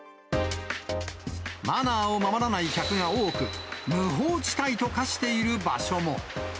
マナーを守らない客が多く、無法地帯と化している場所も。